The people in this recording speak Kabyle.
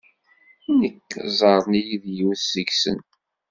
Nekk ẓerren-iyi d yiwet seg-sen.